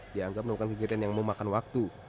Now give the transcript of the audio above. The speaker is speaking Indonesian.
dianggap melakukan kegiatan yang memakan waktu